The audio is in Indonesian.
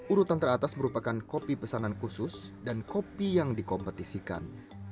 urutan teratas merupakan kopi pesanan khusus dan kopi yang dikompetisikan